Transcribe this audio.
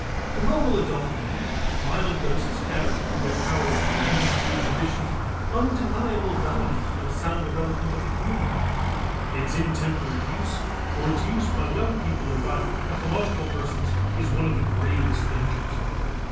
For normal adult men mild doses have through their power to relieve the inhibitions undeniable value for the sound development of the community. Its intemperate use or its use by young people and by pathological persons is one of the gravest dangers.